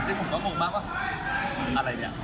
ซึ่งผมก็งงมากว่าอะไรเนี่ย